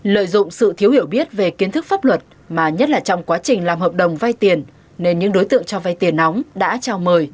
lợi dụng sự thiếu hiểu biết về kiến thức pháp luật mà nhất là trong quá trình làm hợp đồng vay tiền nên những đối tượng cho vay tiền nóng đã chào mời